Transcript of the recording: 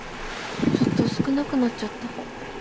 ちょっと少なくなっちゃった。